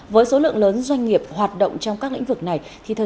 với số lượng lớn doanh nghiệp hoạt động trong các lĩnh vực này